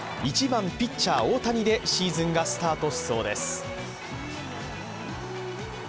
１番・ピッチャー、大谷でシーズンがスタートしそうです。